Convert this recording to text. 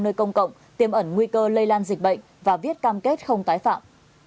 nơi công cộng tiêm ẩn nguy cơ lây lan dịch bệnh và viết cam kết không tái phạm